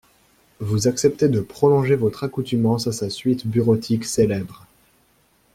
Vous acceptez de prolonger votre accoutumance à sa suite bureautique célèbre.